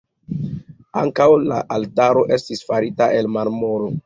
Ankaŭ la altaro estis farita el marmoro.